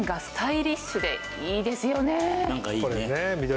スタイリッシュでいいですよ。